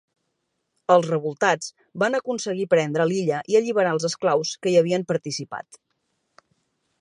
Els revoltats van aconseguir prendre l'illa i alliberar els esclaus que hi havien participat.